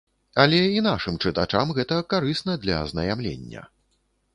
Але і нашым чытачам гэта карысна для азнаямлення.